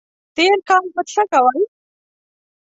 تېر کال مو څه کول؟